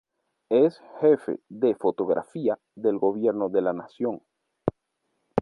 Es Jefe de Fotografía del Gobierno de la Nación.